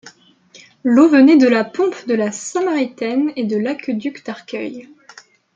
L'eau venait de la pompe de la Samaritaine et de l'aqueduc d'Arcueil.